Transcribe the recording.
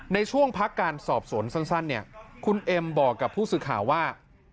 ในช่วงพักการสอบสวนสั้นเนี่ยคุณเอ็มบอกกับผู้สื่อข่าวว่า